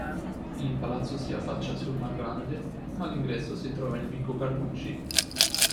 Il palazzo si affaccia sul Mar Grande, ma l'ingresso si trova in vico Carducci.